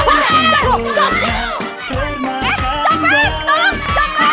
masih luar kemahannya rohit